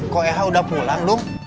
kok eha udah pulang dong